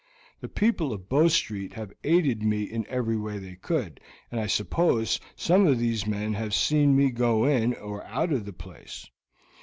The people of Bow Street have aided me in every way they could, and I suppose some of these men have seen me go in or out of the place.